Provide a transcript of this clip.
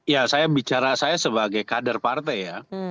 ya saya bicara saya sebagai kader partai ya